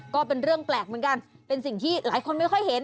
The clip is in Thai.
ก็เป็นเรื่องแปลกเหมือนกันเป็นสิ่งที่หลายคนไม่ค่อยเห็น